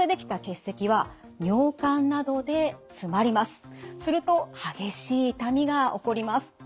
すると激しい痛みが起こります。